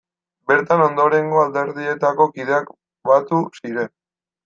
Bertan ondorengo alderdietako kideak batu ziren.